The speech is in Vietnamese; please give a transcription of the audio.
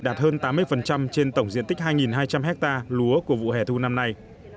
đạt hơn tám mươi trên tổng diện tích hai hai trăm linh hectare lúa của vụ hẻ thu năm nay